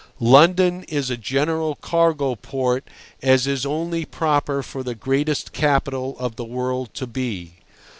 London is a general cargo port, as is only proper for the greatest capital of the world to be.